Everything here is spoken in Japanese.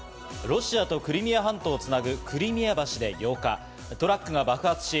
ロシアとクリミア半島をつなぐクリミア橋で８日、トラックが爆発し